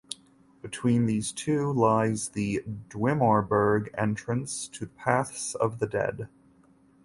Between these two lies the "Dwimorberg", entrance to the Paths of the Dead.